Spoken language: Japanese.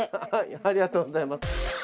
ありがとうございます。